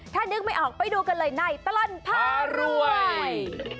ถ้านึกไม่ออกไปดูกันเลยในตลอดพารวย